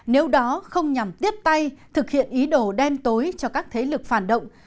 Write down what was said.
nếu đó không nhằm tiếp tay thực hiện ý đồ đem tối cho các thế lực phản động